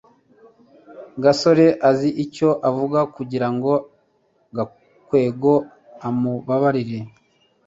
gasore azi icyo avuga kugirango gakwego amubabarire